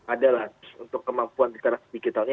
adalah untuk kemampuan digitalnya